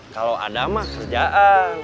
kalau ada mah kerjaan